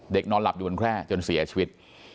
นอนหลับอยู่บนแคร่จนเสียชีวิต